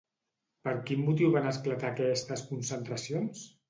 Per quin motiu van esclatar aquestes concentracions?